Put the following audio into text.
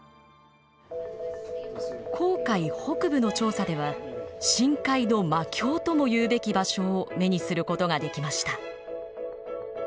紅海北部の調査では深海の魔境ともいうべき場所を目にすることができました。